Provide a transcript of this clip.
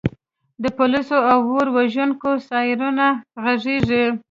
د پولیسو او اور وژونکو سایرنونه غږیږي